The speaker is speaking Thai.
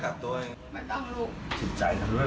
ป้าก็โหน่วมหังกันบองไว้ขามือกัน